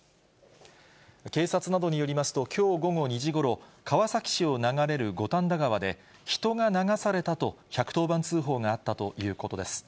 警察などによりますと、きょう午後２時ごろ、川崎市を流れる五反田川で、人が流されたと１１０番通報があったということです。